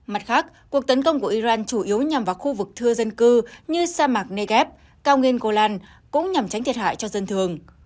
mặt khác cuộc tấn công của iran chủ yếu nhằm vào khu vực thưa dân cư như sa mạc negev cao nguyên golan cũng nhằm tránh thiệt hại cho dân thường